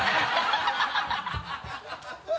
ハハハ